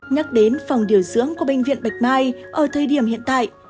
nhắc đến phòng điều dưỡng của bệnh viện bạch mai ở thời điểm hiện tại